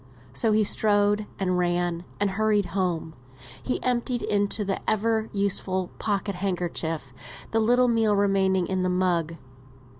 So he strode, and ran, and hurried home. He emptied into the ever useful pocket handkerchief the little meal remaining in the mug.